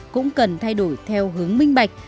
cũng cần thay đổi theo hướng minh bạch